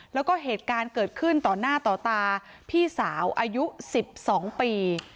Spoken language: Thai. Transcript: แล้วก็เหตุการณ์เกิดขึ้นต่อหน้าต่อตาพี่สาวอายุ๑๒ปี